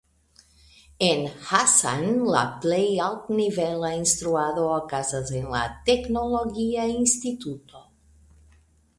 En Hassan la plej altnivela instruado okazas en la teknologia instituto.